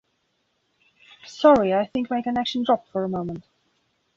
Sorry, I think my connection dropped for a moment.